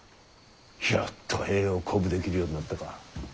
やっと兵を鼓舞できるようになったか。